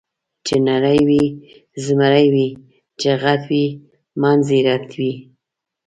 چې نری وي زمری وي، چې غټ وي منځ یې رټ وي.